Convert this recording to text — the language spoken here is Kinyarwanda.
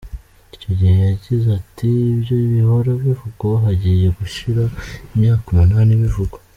Icyo gihe yagize ati “Ibyo bihora bivugwa, hagiye gushira imyaka umunani bivugwa.